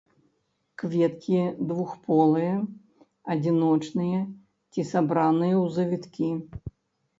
Кветкі двухполыя, адзіночныя ці сабраныя ў завіткі.